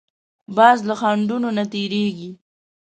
باز له خنډونو نه تېرېږي